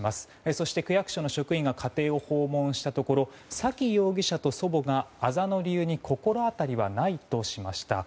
そして、区役所の職員が家庭を訪問したところ沙喜容疑者と祖母があざの理由に心当たりはないとしました。